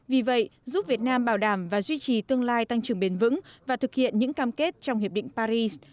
vì vậy giúp việt nam bảo đảm và duy trì tương lai tăng trưởng bền vững và thực hiện những cam kết trong hiệp định paris